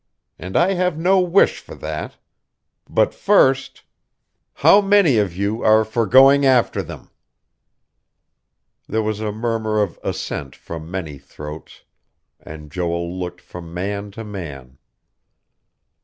And I have no wish for that. But first "How many of you are for going after them?" There was a murmur of assent from many throats; and Joel looked from man to man.